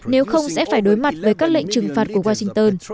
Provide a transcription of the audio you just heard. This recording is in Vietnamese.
nếu không sẽ phải đối mặt với các lệnh trừng phạt của washington